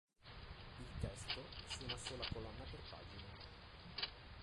Il testo è su una sola colonna per pagina.